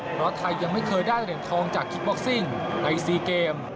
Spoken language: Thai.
เพราะไทยยังไม่เคยได้เหรียญทองจากคิกบ็อกซิ่งใน๔เกม